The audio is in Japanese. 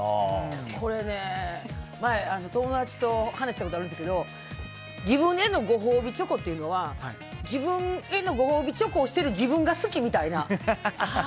前、友達と話したことあるんですけど自分へのご褒美チョコっていうのは自分へのご褒美チョコをしている自分が好きみたいな。